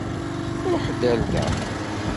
Ṛuḥ-d ar da.